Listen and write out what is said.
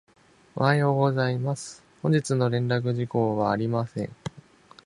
おはようございます。本日の連絡事項はありません。